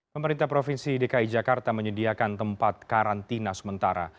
pemerintah provinsi dki jakarta menyediakan tempat karantina sementara